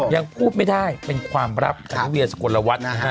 ยังพูดไม่ได้เป็นความลับทุกเวียนสกลวัตน์